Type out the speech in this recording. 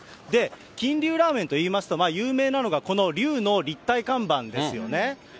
金龍ラーメンといいますと、有名なのがこの龍の立体看板ですよね。